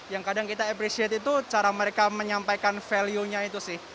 yang kadang kita appreciate itu cara mereka menyampaikan value nya itu sih